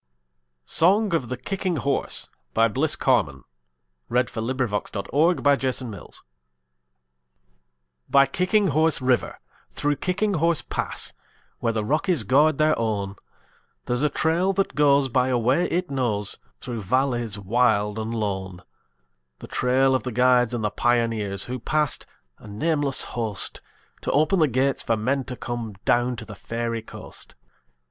uts forth, To keep unsoiled forever The honor of the North. SONG OF THE KICKING HORSE By Kicking Horse River, through Kicking Horse Pass, Where the Rockies guard their own, There's a trail that goes by a way it knows Through valleys wild and lone,— The trail of the guides and the pioneers Who passed—a nameless host— To open the gates for men to come Down to the Fairy Coast.